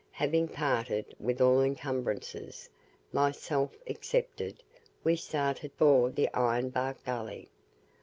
Having parted with all encumbrances, myself excepted, we started for the Iron Bark Gully.